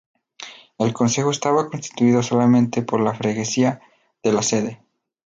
El concejo estaba constituido solamente por la freguesía de la sede.